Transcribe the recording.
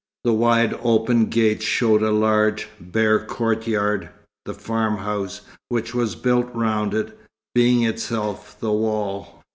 The wide open gates showed a large, bare courtyard, the farmhouse, which was built round it, being itself the wall.